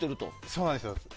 そうなんですよ。